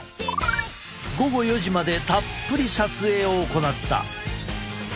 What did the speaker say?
午後４時までたっぷり撮影を行った。